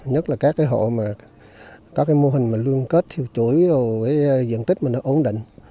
nhất là các hộ có mô hình luôn kết thiêu chuối diện tích ổn định